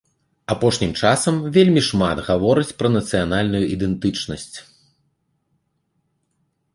Апошнім часам вельмі шмат гавораць пра нацыянальную ідэнтычнасць.